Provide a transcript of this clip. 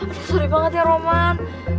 aduh sulit banget ya roman